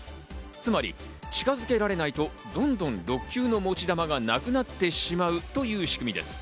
つまり近づけられないと、どんどん６球の持ち球がなくなってしまうという仕組みです。